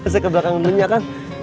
hahaha saya ke belakang mu ya kan